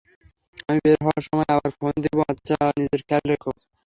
আমি বের হওয়ার সময় আবার ফোন দিবো আচ্ছা, নিজের খেয়াল রেখো।